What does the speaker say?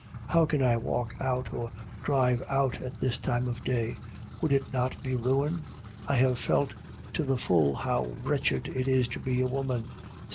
How can I walk out or drive out at this time of day? Would it not be ruin? I have felt to the full how wretched it is to be a woman.